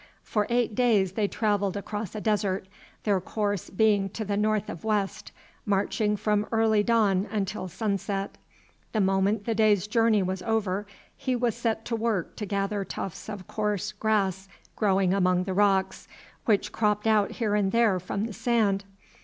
For eight days they travelled across a desert, their course being to the north of west, marching from early dawn until sunset. The moment the day's journey was over he was set to work to gather tufts of coarse grass growing among the rocks, which cropped out here and there from the sand.